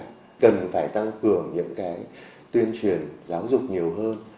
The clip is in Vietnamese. cần phải tăng cường những cái tuyên truyền giáo dục nhiều hơn